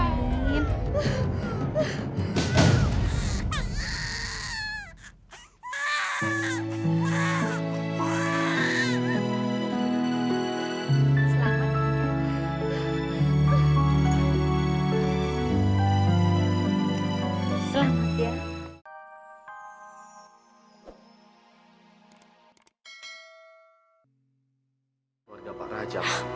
keluarga pak rajab